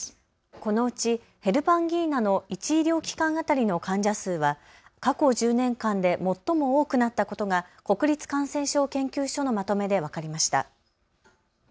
このうちヘルパンギーナの１医療機関当たりの患者数は過去１０年間で最も多くなったことが国立感染症研究所のまとめで分かりました。